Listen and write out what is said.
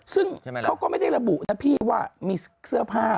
ซึ่งเขาก็ไม่ได้ระบุนะพี่ว่ามีเสื้อผ้า